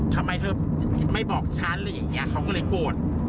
ทำไมเธอไม่บอกฉันอะไรอย่างนี้เขาก็เลยโกรธ